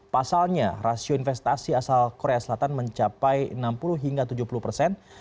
pasalnya rasio investasi asal korea selatan mencapai enam puluh hingga tujuh puluh persen